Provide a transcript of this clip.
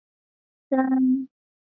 阿拉佩什语亦有名词化的动词。